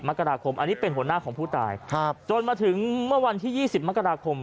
มกราคมอันนี้เป็นหัวหน้าของผู้ตายจนมาถึงเมื่อวันที่๒๐มกราคม